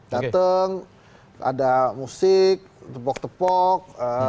dateng ada musik tepok tepok